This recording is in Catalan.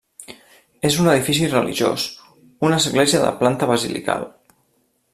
És un edifici religiós, una església de planta basilical.